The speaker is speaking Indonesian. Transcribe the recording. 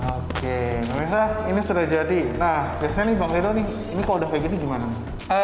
oke pemirsa ini sudah jadi nah biasanya nih bang rido nih ini kok udah kayak gini gimana nih